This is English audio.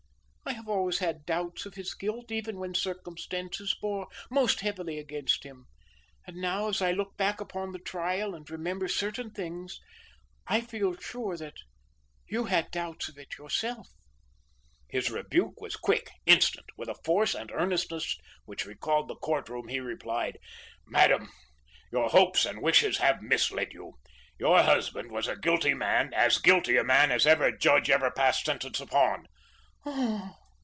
I have always had doubts of his guilt, even when circumstances bore most heavily against him; and now, as I look back upon the trial and remember certain things, I feel sure that you had doubts of it, yourself." His rebuke was quick, instant. With a force and earnestness which recalled the court room he replied: "Madam, your hopes and wishes have misled you. Your husband was a guilty man; as guilty a man as any judge ever passed sentence upon." "Oh!"